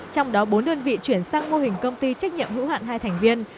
trong đó bốn đơn vị chuyển sang mô hình công ty trách nhiệm hữu hạn hai thành viên